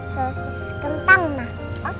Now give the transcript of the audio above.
sosis kentang emang